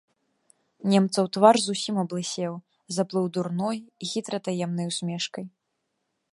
Немцаў твар зусім аблысеў, заплыў дурной і хітра таемнай усмешкай.